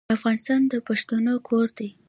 افغانستان د پښتنو کور دی.